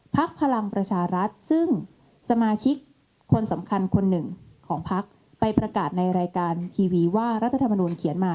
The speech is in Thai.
พลังประชารัฐซึ่งสมาชิกคนสำคัญคนหนึ่งของพักไปประกาศในรายการทีวีว่ารัฐธรรมนุนเขียนมา